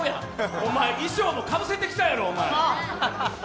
お前、衣装もかぶせてきたやろ。